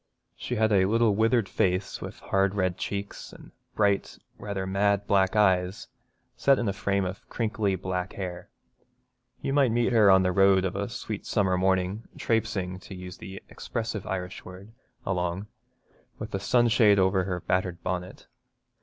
She had a little withered face, with hard red cheeks and bright, rather mad black eyes, set in a frame of crinkly black hair. You might meet her on the road of a sweet summer morning, trapesing, to use the expressive Irish word, along, with a sunshade over her battered bonnet.